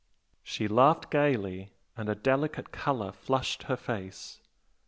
She laughed gaily, and a delicate colour flushed her face.